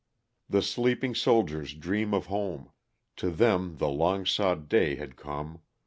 The sleeping soldiers dream of home. To them the long sought day had come.